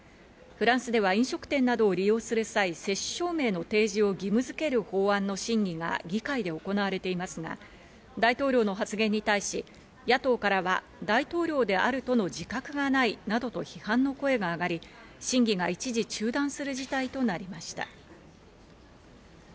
フランスでは飲食店などを利用する際、接種証明の提示を義務づける法案の審議が議会で行われていますが、大統領の発言に対し野党からは大統領であるとの自覚がないなどと批判の声が上がり、審議が一時中断する事態となりました。